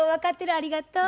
ありがとう。